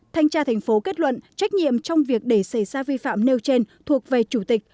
thanh tra thành phố kết luận trách nhiệm trong việc để xảy ra vi phạm nêu trên thuộc về chủ tịch